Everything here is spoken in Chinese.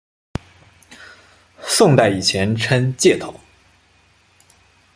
宋代以前称解头。